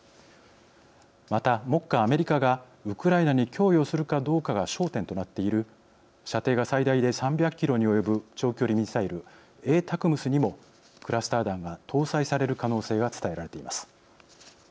また目下アメリカがウクライナに供与するかどうかが焦点となっている射程が最大で３００キロに及ぶ長距離ミサイルＡＴＡＣＭＳにもクラスター弾が搭載される可能性が伝えられています。